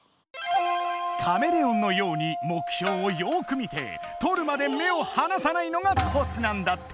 カメレオンのように目標をよく見てとるまで目をはなさないのがコツなんだって！